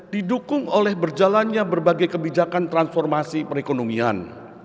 didukung oleh berjalannya berbagai kebijakan transformasi perekonomian